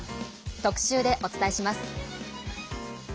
特集でお伝えします。